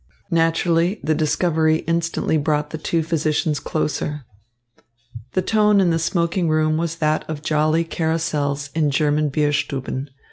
Naturally, the discovery instantly brought the two physicians closer. The tone in the smoking room was that of jolly carousals in German Bierstuben.